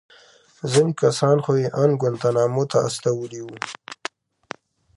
ځينې کسان خو يې ان گوانټانامو ته استولي وو.